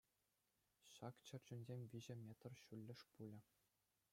Ҫак чӗрчунсем виҫӗ метр ҫуллӗш пулӗ.